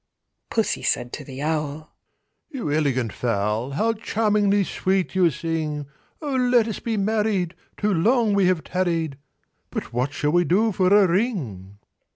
II. Pussy said to the Owl, "You elegant fowl! How charmingly sweet you sing! O let us be married! too long we have tarried: But what shall we do for a ring?"